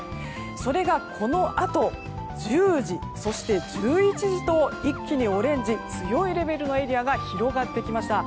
それがこのあと１０時そして１１時と一気にオレンジ強いレベルのエリアが広がってきました。